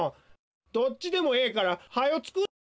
どっちでもええからはよつくってや！